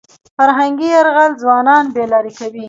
فرهنګي یرغل ځوانان بې لارې کوي.